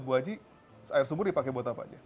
bu aji air sumur dipakai buat apa aja